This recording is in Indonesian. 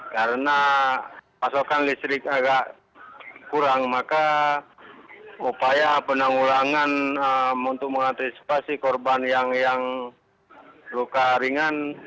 karena pasokan listrik agak kurang maka upaya penanggulangan untuk mengantisipasi korban yang luka ringan